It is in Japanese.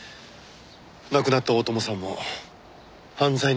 亡くなった大友さんも犯罪に関わってた可能性が。